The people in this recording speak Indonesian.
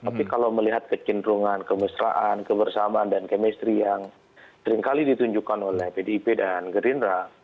tapi kalau melihat kecenderungan kemesraan kebersamaan dan kemistri yang seringkali ditunjukkan oleh pdip dan gerindra